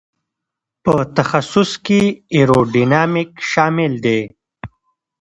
په تخصص کې ایرو ډینامیک شامل دی.